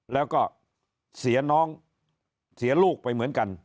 แล้วก็เสียน้องเสียลูกไปเหมือนกัน